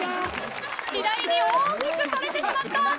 左に大きくそれてしまった。